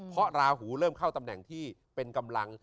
เพราะราหูเริ่มเข้าตำแหน่งที่เป็นกำลัง